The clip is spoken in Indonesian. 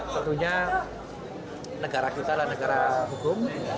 tentunya negara kita adalah negara hukum